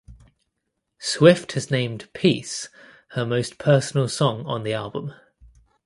Swift has named "Peace" her most personal song on the album.